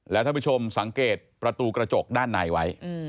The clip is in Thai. และถ้าผู้ชมสังเกตประตูกระจกด้านในไว้อืม